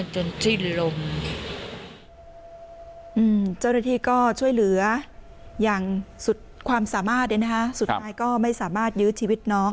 ช่วยเหลืออย่างสุดความสามารถนะฮะสุดท้ายก็ไม่สามารถยืดชีวิตน้อง